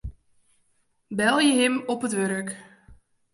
Belje him op it wurk.